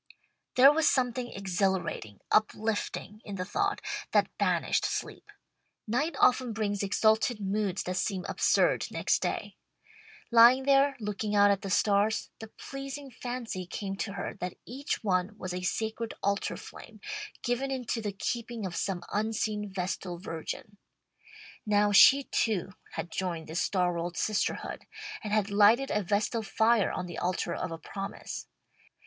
There was something exhilarating, uplifting in the thought, that banished sleep. Night often brings exalted moods that seem absurd next day. Lying there, looking out at the stars, the pleasing fancy came to her that each one was a sacred altar flame, given into the keeping of some unseen vestal virgin. Now she too had joined this star world Sisterhood, and had lighted a vestal fire on the altar of a promise.